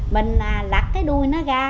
mình lặt cái đuôi nó ra